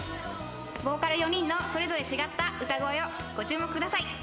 ボーカル４人のそれぞれ違った歌声をご注目ください。